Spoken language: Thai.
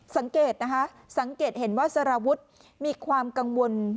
สังเกตนะคะสังเกตเห็นว่าสารวุฒิมีความกังวล